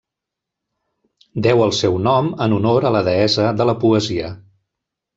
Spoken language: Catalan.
Deu el seu nom en honor a la deessa de la poesia.